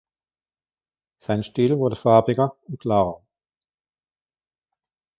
Sein Stil wurde farbiger und klarer.